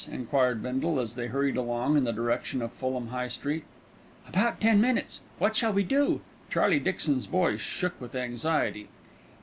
enquired Bindle, as they hurried along in the direction of Fulham High Street. "About ten minutes. What shall we do?" Charlie Dixon's voice shook with anxiety.